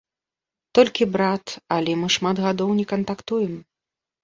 Толькі брат, але мы шмат гадоў не кантактуем.